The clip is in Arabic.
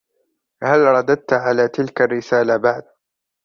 هل رددت على تلك الرسالة بعد ؟